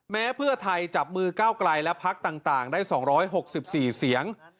เพื่อไทยจับมือก้าวไกลและพักต่างได้๒๖๔เสียง